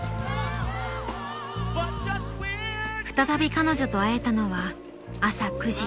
［再び彼女と会えたのは朝９時］